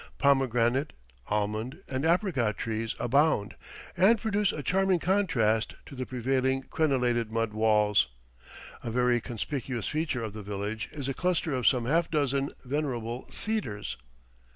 Pomegranate, almond, and apricot trees abound, and produce a charming contrast to the prevailing crenellated mud walls. A very conspicuous feature of the village is a cluster of some half dozen venerable cedars.